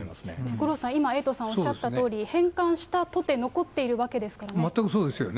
五郎さん、今エイトさんおっしゃったとおり、返還したとて残全くそうですよね。